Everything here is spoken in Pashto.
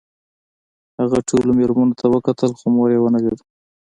هغه ټولو مېرمنو ته وکتل خو مور یې ونه لیده